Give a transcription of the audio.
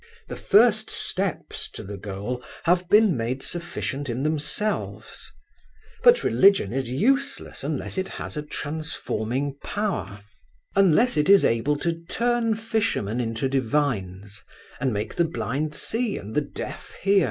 The first steps to the goal have been made sufficient in themselves; but religion is useless unless it has a transforming power, unless it is able "to turn fishermen into divines," and make the blind see and the deaf hear.